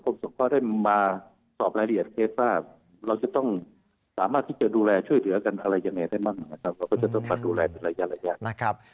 เราก็จะต้องการดูแลเป็นหลายอย่าง